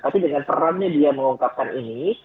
tapi dengan perannya dia mengungkapkan ini